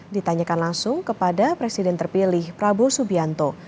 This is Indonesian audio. ditanyakan langsung kepada presiden terpilih prabowo subianto